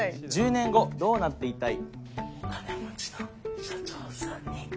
「１０年後どうなっていたい？」。